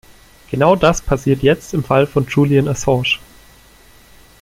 Genau das passiert jetzt im Fall von Julian Assange.